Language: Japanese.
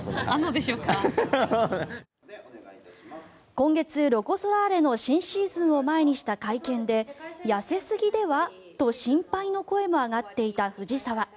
今月、ロコ・ソラーレの新シーズンを前にした会見で痩せすぎではと心配の声も上がっていた藤澤。